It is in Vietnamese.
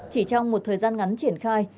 chỉ trong một thời gian ngắn triển khai